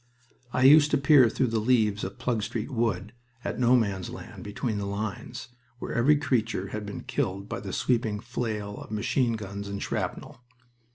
I used to peer through the leaves of Plug Street Wood at No Man's Land between the lines, where every creature had been killed by the sweeping flail of machine guns and shrapnel.